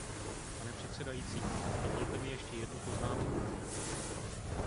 Pane předsedající, dovolte mi ještě jednu poznámku.